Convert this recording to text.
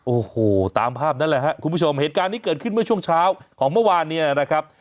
โอ้โหตามภาพนั้นแหละครับคุณผู้ชมเหตุการณ์นี้เกิดขึ้นเมื่อช่วงเช้าของเมื่อวานเนี่ยนะครับ